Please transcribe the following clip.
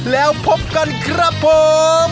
แล้วพบกันครับผม